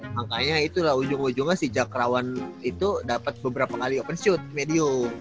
makanya itulah ujung ujungnya si jack rawan itu dapet beberapa kali open shoot medium